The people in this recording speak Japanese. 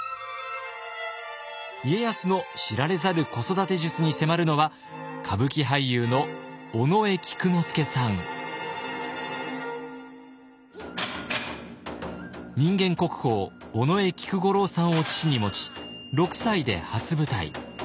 家康の知られざる子育て術に迫るのは人間国宝尾上菊五郎さんを父に持ち６歳で初舞台。